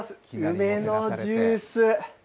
梅のジュース。